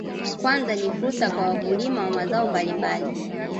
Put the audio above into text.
Kwanza ni fursa kwa wakulima wa mazao mbalimbali